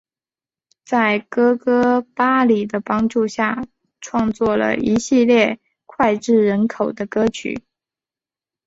在哥哥巴里的帮助下创作了一系列脍炙人口的歌曲。